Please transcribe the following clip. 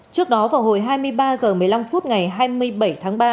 trước đó vào hồi hai mươi ba h một mươi năm phút ngày hai mươi bảy tháng ba